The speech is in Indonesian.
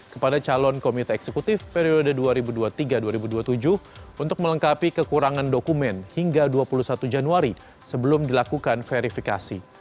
kepada calon komite eksekutif periode dua ribu dua puluh tiga dua ribu dua puluh tujuh untuk melengkapi kekurangan dokumen hingga dua puluh satu januari sebelum dilakukan verifikasi